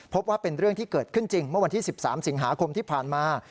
พบว่าเป็นเรื่องที่เกิดขึ้นจริงเมื่อวันที่๑๓สิงหาคมที่ผ่านมา